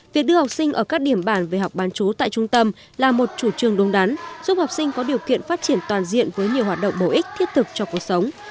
việc đưa học sinh ở các điểm bản về học bán chú tại trung tâm là một chủ trương đúng đắn giúp học sinh có điều kiện phát triển toàn diện với nhiều hoạt động bổ ích thiết thực cho cuộc sống